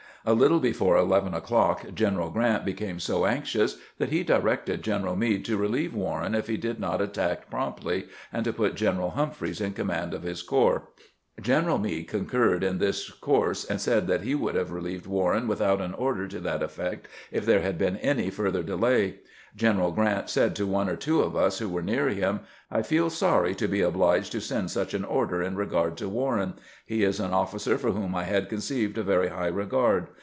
A little be fore eleven o'clock General Grant became so anxious that he directed General Meade to relieve "Warren if he did not attack promptly, and to put General Humphreys in command of his corps. General Meade concurred in this course, and said that he would have relieved "Warren without an order to that effect if there had been any further delay. General Grant said to one or two of us who were near him :" I feel sorry to be obhged to send such an order in regard to Warren. He is an oflBcer for whom I had conceived a very high regard.